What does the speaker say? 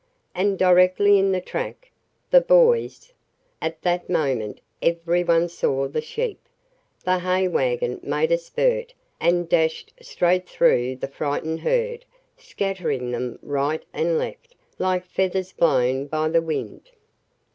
And directly in the track. The boys " At that moment every one saw the sheep. The hay wagon made a spurt and dashed straight through the frightened herd, scattering them right and left, like feathers blown by the wind.